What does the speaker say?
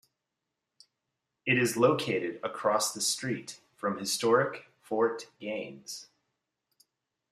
It is located across the street from historic Fort Gaines.